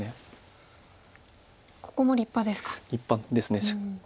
ここも立派ですか。